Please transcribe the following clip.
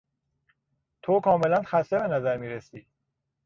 تو کاملا خسته به نظر میرسی!